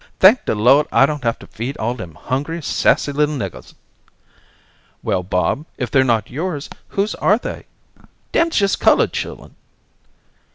Thank de Lord, I don't have to feed all dem hungry, sassy, little niggahs." "Well, Bob, if they're not yours, whose are they?" "Dem's jes' culled chillun."